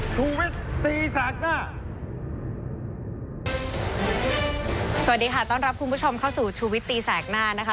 สวัสดีค่ะต้อนรับคุณผู้ชมเข้าสู่ชูวิตตีแสกหน้านะคะ